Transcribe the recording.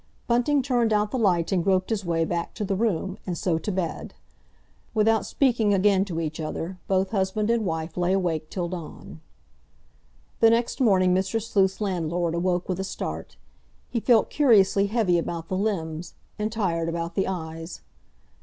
Bunting turned out the light and groped his way back to the room, and so to bed. Without speaking again to each other, both husband and wife lay awake till dawn. The next morning Mr. Sleuth's landlord awoke with a start; he felt curiously heavy about the limbs, and tired about the eyes.